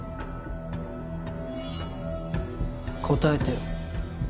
答えてよ。